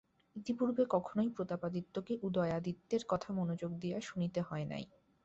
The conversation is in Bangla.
ইতিপূর্বে কখনোই প্রতাপাদিত্যকে উদয়াদিত্যের কথা মনোযোগ দিয়া শুনিতে হয় নাই।